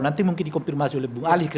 nanti mungkin dikonfirmasi oleh bung ali